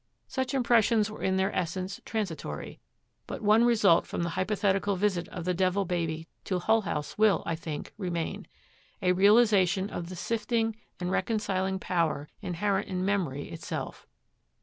Such impressions were in their essence transitory, but one result from the hypothetical visit of the Devil Baby to Hull House will, I think, remain: a realization of the sifting and reconciling power inherent in Memory, itself.